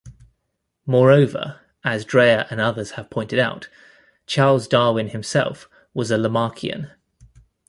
Moreover, as Dreyer and others have pointed out, Charles Darwin himself was a Lamarckian.